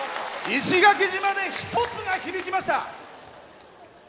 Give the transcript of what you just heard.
石垣島で１つが響きました。